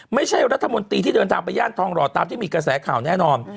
ไม่ใช่รัฐมนตรีที่เดินทางไปย่านทองหล่อตามที่มีกระแสข่าวแน่นอน